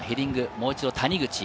もう一度谷口。